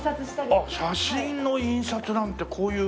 あっ写真の印刷なんてこういう。